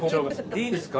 いいんですか？